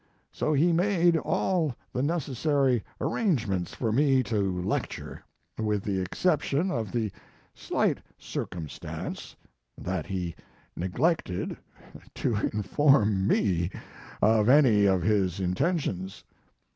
So he made all the necessary arrangements for me to lecture, with the exception of the slight circumstance that he neglected to inform me of any of his intentions.